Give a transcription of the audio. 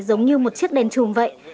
giống như một chiếc đèn trùm vậy